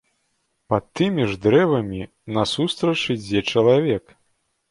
Пад тымі ж дрэвамі насустрач ідзе чалавек.